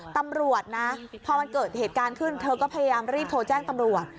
ตำรวจนะพอมันเกิดเหตุการณ์ขึ้นเธอก็พยายามรีบโทรแจ้งตำรวจ